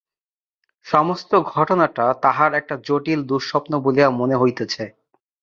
সমস্ত ঘটনাটা তাঁহার একটা জটিল দুঃস্বপ্ন বলিয়া মনে হইতেছে।